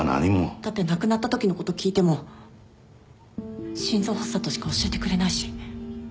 だって亡くなったときのこと聞いても心臓発作としか教えてくれないし。